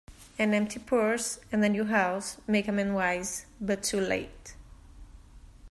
An empty purse, and a new house, make a man wise, but too late.